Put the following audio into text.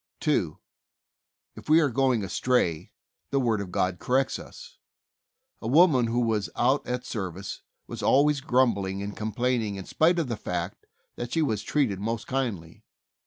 2. If we are going astray, the Word of God corrects us. A woman, who was out at service, was always grumbling and com plaining in spite of the fact that she was treated most kindly.